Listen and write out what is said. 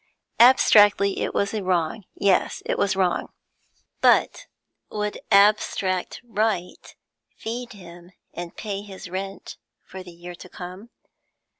Abstractly, it was wrong; yes, it was wrong; but would abstract right feed him and pay his rent for the year to come?